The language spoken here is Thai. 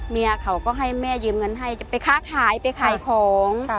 เมียเขาก็ให้แม่ยืมเงินให้จะไปค้าขายไปขายของ